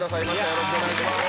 よろしくお願いします